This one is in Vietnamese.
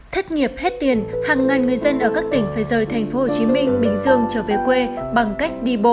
thất nghiệp hết tiền hàng ngàn người dân ở các tỉnh phải rời thành phố hồ chí minh bình dương trở về quê bằng cách đi bộ